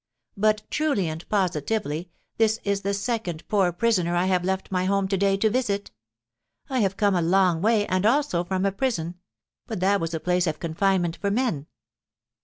But, truly and positively, this is the second poor prisoner I have left my home to day to visit! I have come a long way, and also from a prison, but that was a place of confinement for men."